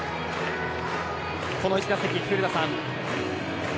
この１打席、古田さん。